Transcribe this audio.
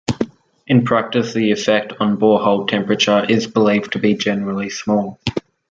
In practice the effect on borehole temperature is believed to be generally small.